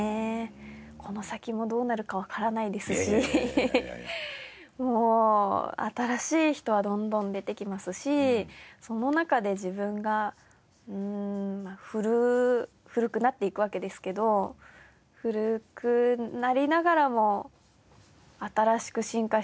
この先もどうなるかわからないですしもう新しい人はどんどん出てきますしその中で自分が古くなっていくわけですけど。っていうふうに思ってますね。